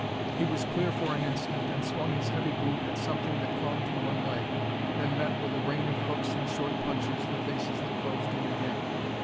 He was clear for an instant and swung his heavy boot at something that clung to one leg; then met with a rain of hooks and short punches the faces that closed in again.